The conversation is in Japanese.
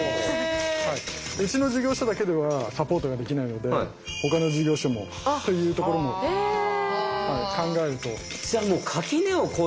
うちの事業所だけではサポートができないのでほかの事業所もっていうところも考えると。